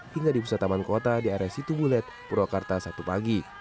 hingga di pusat taman kota di area situ bulet purwakarta sabtu pagi